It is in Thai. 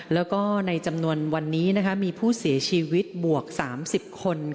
แล้วก็ในจำนวนวันนี้มีผู้เสียชีวิตบวก๓๐คน